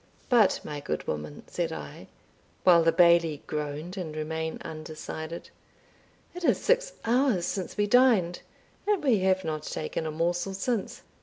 "But, my good woman," said I, while the Bailie groaned and remained undecided, "it is six hours since we dined, and we have not taken a morsel since.